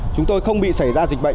chúng tôi không bị xảy ra dịch bệnh